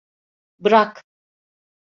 Bırak!